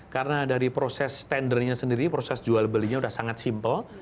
karena dari proses tendernya sendiri proses jual belinya sudah sangat simpel